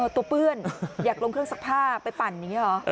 เปื้อนอยากลงเครื่องซักผ้าไปปั่นอย่างนี้หรอ